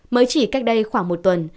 mới chỉ cách đây khoảng một tuần